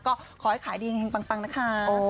ก็ขอให้ขายดีอย่างเงียงปังนะคะ